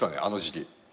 あの時期。